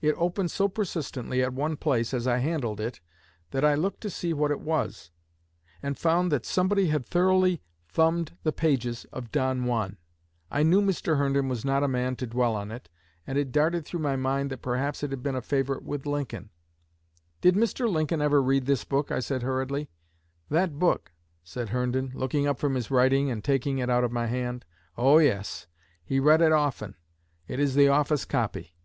It opened so persistently at one place, as I handled it, that I looked to see what it was, and found that somebody had thoroughly thumbed the pages of 'Don Juan.' I knew Mr. Herndon was not a man to dwell on it, and it darted through my mind that perhaps it had been a favorite with Lincoln. 'Did Mr. Lincoln ever read this book?' I said, hurriedly. 'That book!' said Herndon, looking up from his writing and taking it out of my hand. 'Oh, yes; he read it often. It is the office copy.'"